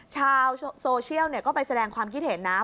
ชาวโซเชียลก็ไปแสดงความคิดเห็นนะ